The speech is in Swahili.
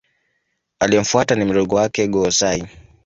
Aliyemfuata ni mdogo wake Go-Sai.